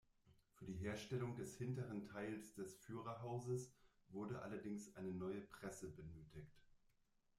Für die Herstellung des hinteren Teils des Führerhauses wurde allerdings eine neue Presse benötigt.